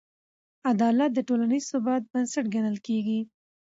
عدالت د ټولنیز ثبات بنسټ ګڼل کېږي.